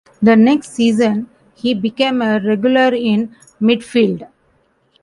The next season, he became a regular in midfield.